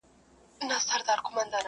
خو ټول حقيقت نه مومي هېڅکله,